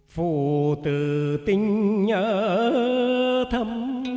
phụ tử tinh nhớ thầm